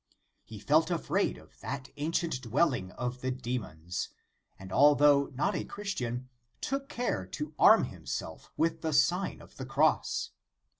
He felt afraid of that ancient dwelling of the demons, and although not a Christian, took care to arm himself with the Sign of the Cross.